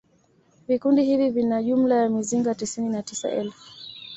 Vikundi hivi vina jumla ya mizinga tisini na tisa elfu